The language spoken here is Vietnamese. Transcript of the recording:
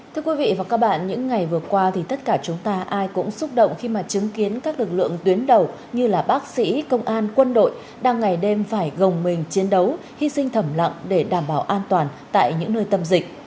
thưa quý vị và các bạn những ngày vừa qua thì tất cả chúng ta ai cũng xúc động khi mà chứng kiến các lực lượng tuyến đầu như là bác sĩ công an quân đội đang ngày đêm phải gồng mình chiến đấu hy sinh thẩm lặng để đảm bảo an toàn tại những nơi tâm dịch